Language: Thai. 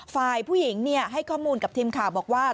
ฝ่ายผู้หญิงให้ข้อมูลกับทีมข่าวบอกว่า